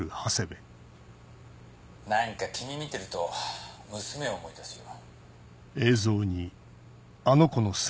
何か君見てると娘を思い出すよ。